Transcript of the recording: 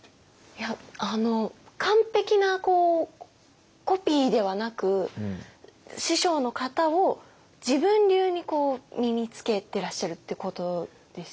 いやっあの完璧なコピーではなく師匠の型を自分流にこう身につけてらっしゃるってことですよね。